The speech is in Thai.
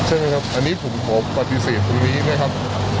อันนี้ผมขอปฏิเสธตรงนี้นะครับ